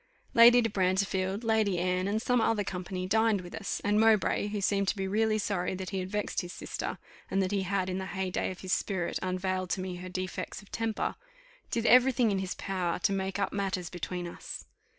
Lady de Brantefield, Lady Anne, and some other company, dined with us; and Mowbray, who seemed to be really sorry that he had vexed his sister, and that he had in the heyday of his spirit unveiled to me her defects of temper, did every thing in his power to make up matters between us.